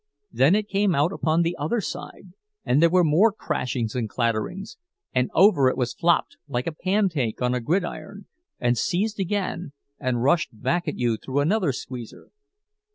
Then it came out upon the other side, and there were more crashings and clatterings, and over it was flopped, like a pancake on a gridiron, and seized again and rushed back at you through another squeezer.